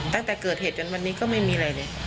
ตั้งแต่เกิดเหตุจนวันนี้ก็ไม่มีอะไรเลย